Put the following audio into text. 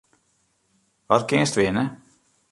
Wat kinst winne?